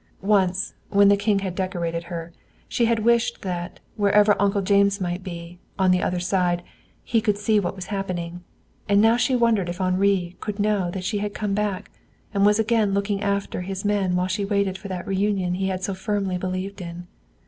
Once, when the King had decorated her, she had wished that, wherever Uncle James might be, on the other side, he could see what was happening. And now she wondered if Henri could know that she had come back, and was again looking after his men while she waited for that reunion he had so firmly believed in.